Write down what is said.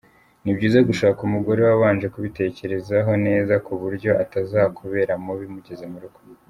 Ni byiza gushaka umugore wabanje kubitekerezaho neza ku buryo atazakubera mubi mugeze mu rugo.